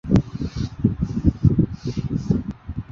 是次远征拜访了南极半岛外海的斯诺希尔岛。